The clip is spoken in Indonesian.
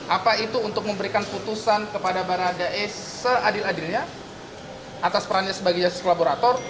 apa itu untuk memberikan putusan kepada baradae seadil adilnya atas perannya sebagai justice collaborator